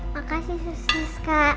makasih sis kak